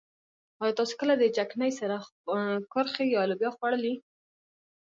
ايا تاسو کله د چکنۍ سره کورخې يا لوبيا خوړلي؟